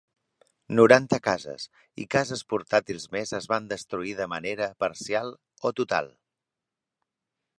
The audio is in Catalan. Noranta cases i cases portàtils més es van destruir de manera parcial o total.